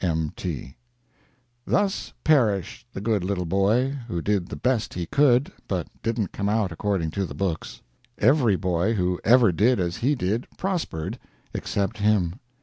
M. T.] Thus perished the good little boy who did the best he could, but didn't come out according to the books. Every boy who ever did as he did prospered except him.